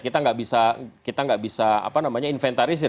kita enggak bisa kita enggak bisa apa namanya inventarisir